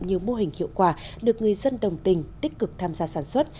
nhiều mô hình hiệu quả được người dân đồng tình tích cực tham gia sản xuất